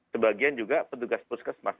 sebagian juga petugas puskesmas